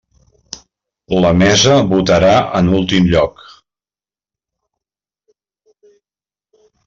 La mesa votarà en últim lloc.